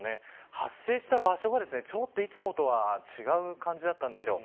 発生した場所が、ちょっといつもとは違う感じだったんです。